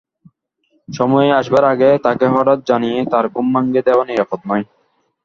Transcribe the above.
সময় আসবার আগে তাকে হঠাৎ জানিয়ে তার ঘুম ভাঙিয়ে দেওয়া নিরাপদ নয়।